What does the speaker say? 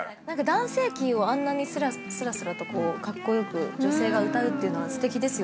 男性キーをあんなにすらすらとカッコ良く女性が歌うっていうのはすてきですよね。